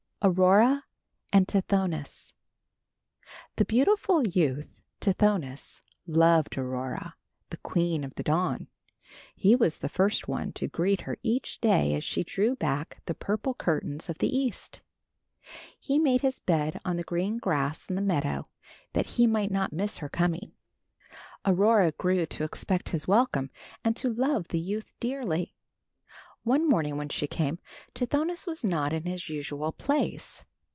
AURORA AND TITHONUS. The beautiful youth, Tithonus, loved Aurora, the queen of the dawn. He was the first one to greet her each day as she drew back the purple curtains of the east. He made his bed on the green grass in the meadow that he might not miss her coming. Aurora grew to expect his welcome and to love the youth dearly. One morning when she came Tithonus was not in his usual place.